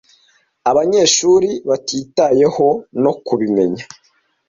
abanyeshuri batitayeho no kubimenya